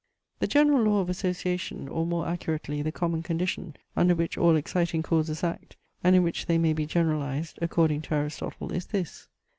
The general law of association, or, more accurately, the common condition under which all exciting causes act, and in which they may be generalized, according to Aristotle is this.